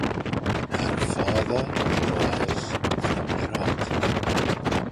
Her father was from Herat.